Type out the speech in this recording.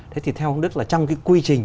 thế thì theo ông đức là trong cái quy trình